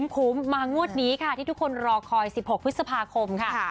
คุ้มมางวดนี้ค่ะที่ทุกคนรอคอย๑๖พฤษภาคมค่ะ